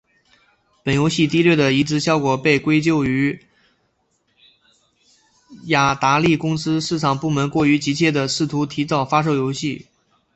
本游戏低劣的移植效果被归咎于雅达利公司市场部门过于急切地试图提早发售游戏。